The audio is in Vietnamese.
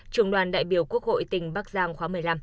trường đoàn đại biểu quốc hội tỉnh bắc giang khóa một mươi năm